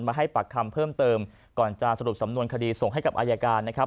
ให้ปากคำเพิ่มเติมก่อนจะสรุปสำนวนคดีส่งให้กับอายการนะครับ